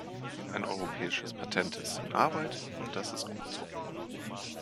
Ein europäisches Patent ist in Arbeit, und das ist gut so.